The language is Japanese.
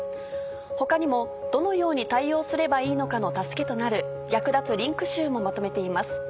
他にもどのように対応すればいいのかの助けとなる役立つリンク集もまとめています。